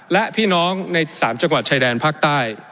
และพี่น้องใน๓จังหวัดชายแดนภาคใต้